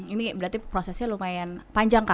ini berarti prosesnya lumayan panjang kan